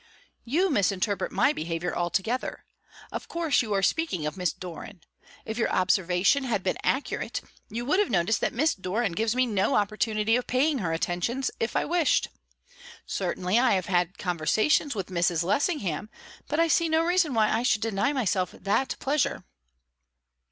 "You misinterpret my behaviour altogether. Of course, you are speaking of Miss Doran. If your observation had been accurate, you would have noticed that Miss Doran gives me no opportunity of paying her attentions, if I wished. Certainly I have had conversations with Mrs. Lessingham, but I see no reason why I should deny myself that pleasure."